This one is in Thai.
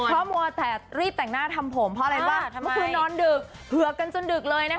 เพราะมัวแต่รีบแต่งหน้าทำผมเพราะอะไรบ้างเมื่อคืนนอนดึกเผือกกันจนดึกเลยนะคะ